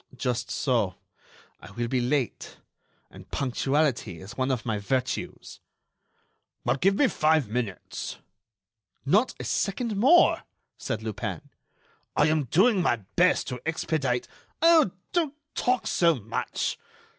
"Just so; I will be late. And punctuality is one of my virtues." "Well, give me five minutes." "Not a second more," said Lupin. "I am doing my best to expedite——" "Oh! don't talk so much....